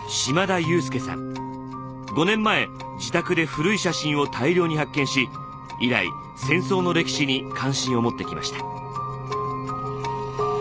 ５年前自宅で古い写真を大量に発見し以来戦争の歴史に関心を持ってきました。